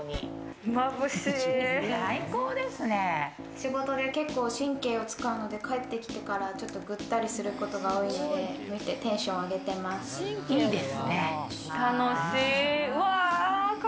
仕事で結構、神経を使うので帰ってきてからぐったりすることが多いのでこれを見てテンションを上げています。